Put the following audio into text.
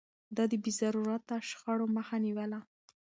ده د بې ضرورته شخړو مخه نيوله.